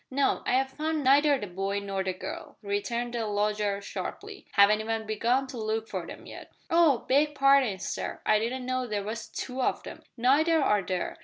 "No, I have found neither the boy nor the girl," returned the lodger sharply. "Haven't even begun to look for them yet." "Oh! beg parding, sir, I didn't know there was two of 'em." "Neither are there.